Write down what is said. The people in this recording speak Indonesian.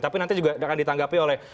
tapi nanti juga akan ditanggapi oleh